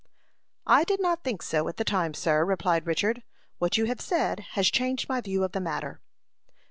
"I did not think so, at the time, sir," replied Richard. "What you have said has changed my view of the matter."